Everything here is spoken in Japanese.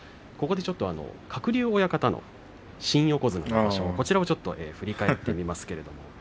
鶴竜親方の新横綱の場所を振り返ってみます。